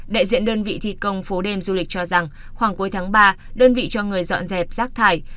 đại diện đơn vị thi công phố đêm du lịch cho rằng khoảng cuối tháng ba đơn vị cho người dọn dẹp rác thải